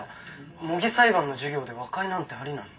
模擬裁判の授業で和解なんてありなの？